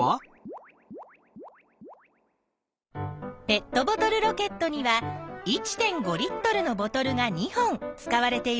ペットボトルロケットには１．５Ｌのボトルが２本使われているよ。